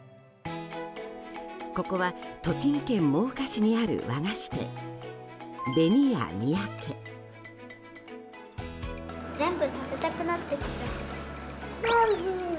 ここは栃木県真岡市にある和菓子店、紅谷三宅。